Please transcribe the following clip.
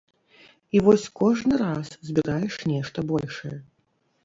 І вось кожны раз збіраеш нешта большае.